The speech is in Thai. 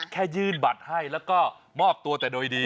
ยื่นบัตรให้แล้วก็มอบตัวแต่โดยดี